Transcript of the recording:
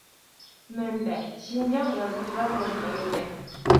مەنبە : شىنجاڭ يازغۇچىلار تورىدىن ئېلىندى.